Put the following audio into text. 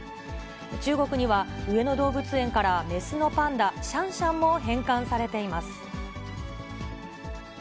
中国には、上野動物園から雌のパンダ、シャンシャンも返還されています。